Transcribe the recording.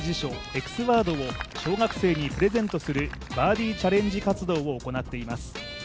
エクスワードを小学生にプレゼントするバーディーチャレンジ活動を行っています。